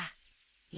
え？